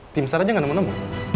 tim star aja gak nemu nemu